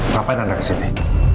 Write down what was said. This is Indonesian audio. ngapain anda ke sini